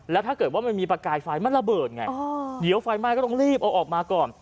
แล้วถ้าเกิดว่ามันมีประกายไฟมันระเบิดไงเดี๋ยวไฟไหม้ก็ต้องรีบเอาออกมาก่อน